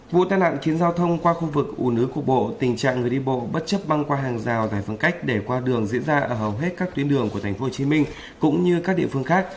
vụ tai nạn khiến giao thông qua khu vực ủ nứ cục bộ tình trạng người đi bộ bất chấp băng qua hàng rào giải phân cách để qua đường diễn ra ở hầu hết các tuyến đường của tp hcm cũng như các địa phương khác